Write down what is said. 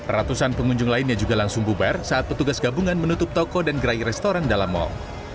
ratusan pengunjung lainnya juga langsung bubar saat petugas gabungan menutup toko dan gerai restoran dalam mal